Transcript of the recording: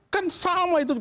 kan sama itu